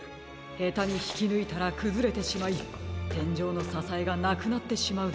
へたにひきぬいたらくずれてしまいてんじょうのささえがなくなってしまうでしょう。